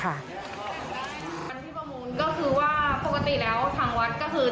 อันที่ประมูลก็คือว่าปกติแล้วทางวัดก็คือ